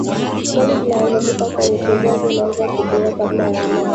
mali zinahamishika mwekezaji anaweza kuziuza kabla ya mnada